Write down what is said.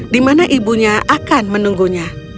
dimana ibunya akan menunggunya